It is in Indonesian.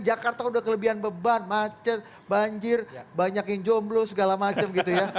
jakarta udah kelebihan beban macet banjir banyak yang jomblo segala macam gitu ya